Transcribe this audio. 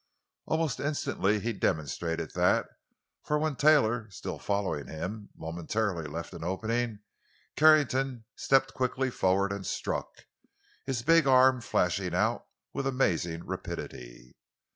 Almost instantly he demonstrated that, for when Taylor, still following him, momentarily left an opening, Carrington stepped quickly forward and struck—his big arm flashing out with amazing rapidity.